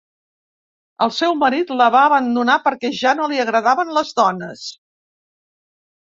El seu marit la va abandonar perquè ja no li agradaven les dones.